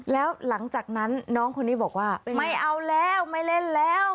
แล้วหลังจากนั้นน้องคนนี้บอกว่าไม่เอาแล้วไม่เล่นแล้ว